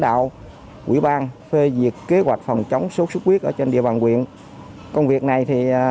đạo quỹ ban phê duyệt kế hoạch phòng chống sốt xuất huyết ở trên địa bàn quyền công việc này thì